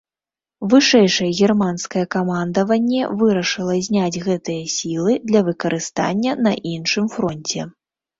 Вышэйшае германскае камандаванне вырашыла зняць гэтыя сілы для выкарыстання на іншым фронце.